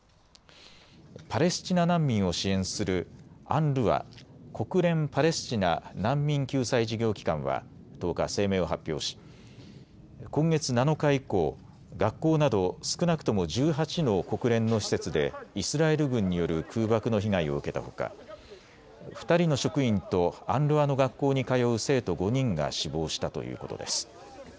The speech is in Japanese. パレスチナ難民を支援するＵＮＲＷＡ・国連パレスチナ難民救済事業機関は１０日、声明を発表し今月７日以降、学校など少なくとも１８の国連の施設でイスラエル軍による空爆の被害を受けたほか２人の職員とＵＮＲＷＡの学校に通う生徒５人が死亡したということです。